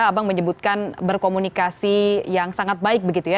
abang menyebutkan berkomunikasi yang sangat baik begitu ya